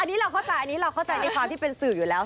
อันนี้เราเข้าใจอันนี้เราเข้าใจในความที่เป็นสื่ออยู่แล้ว